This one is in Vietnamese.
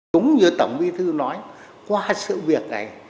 đúng như tổng bí thư nói qua sự việc này